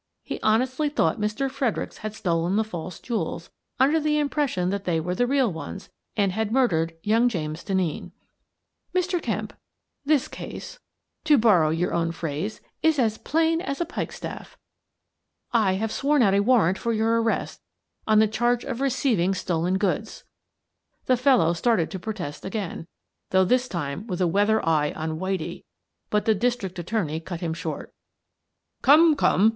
He honestly thought Mr. Fredericks had stolen the false jewels — under the impression that they were the real ones — and had murdered young James Denneen. " Mr. Kemp, this case, to borrow your own The Last of It 263 phrase, is as plain as a pikestaff: I have sworn out a warrant for your arrest on the charge of receiving stolen goods." The fellow started to protest again — though this time with a weather eye on " Whitie "— but the district attorney cut him short " Come, come